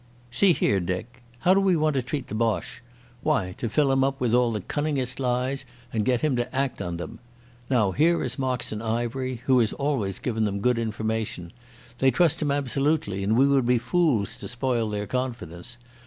"See here, Dick. How do we want to treat the Boche? Why, to fill him up with all the cunningest lies and get him to act on them. Now here is Moxon Ivery, who has always given them good information. They trust him absolutely, and we would be fools to spoil their confidence.